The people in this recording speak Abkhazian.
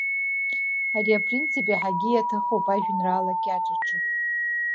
Ари апринцип иаҳагьы иаҭахуп ажәеинраала кьаҿ аҿы.